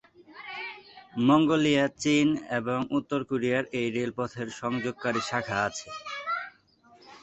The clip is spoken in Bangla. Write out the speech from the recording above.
মঙ্গোলিয়া, চীন এবং উত্তর কোরিয়ায় এই রেলপথের সংযোগকারী শাখা আছে।